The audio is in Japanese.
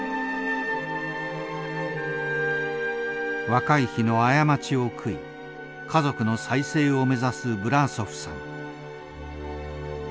若い日の過ちを悔い家族の再生を目指すブラーソフさん。